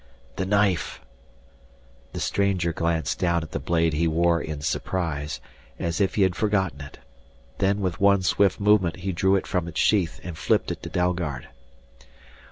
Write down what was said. "The knife " The stranger glanced down at the blade he wore in surprise, as if he had forgotten it. Then with one swift movement he drew it from its sheath and flipped it to Dalgard.